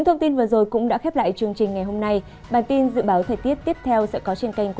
tiếp theo trên kênh youtube của bản tin dự báo strategically papa biết